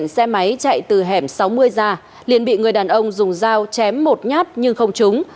xe máy chạy từ hẻm sáu mươi ra liền bị người đàn ông dùng dao chém một nhát nhưng không trúng